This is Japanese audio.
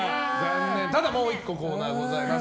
ただ、もう１個コーナーがございます。